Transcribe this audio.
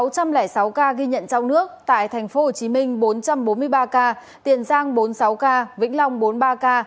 sáu trăm linh sáu ca ghi nhận trong nước tại tp hcm bốn trăm bốn mươi ba ca tiền giang bốn mươi sáu ca vĩnh long bốn mươi ba ca